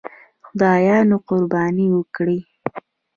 خدایانو قرباني وکړي.